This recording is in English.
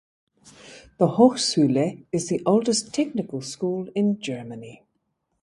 The Hochschule is the oldest technical school in Germany.